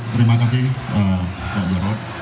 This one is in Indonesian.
terima kasih pak jarod